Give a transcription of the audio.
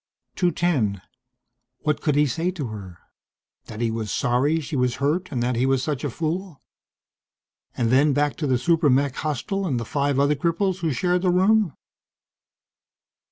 210. What could he say to her? That he was sorry she was hurt and that he was such a fool? And then back to the super mech hostel and the five other cripples who shared the room?